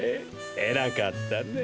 えらかったね。